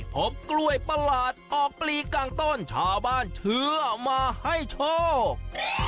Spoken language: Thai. กล้วยประหลาดออกปลีกลางต้นชาวบ้านเชื่อมาให้โชค